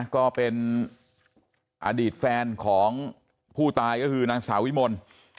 ก็เป็นอดีตแฟนของผู้ตายก็คือนางสาววิมล